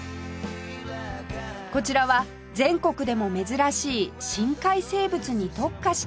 こちらは全国でも珍しい深海生物に特化した水族館